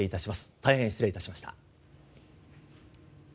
大変失礼いたしました。